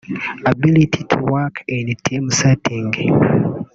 Ability to work in team setting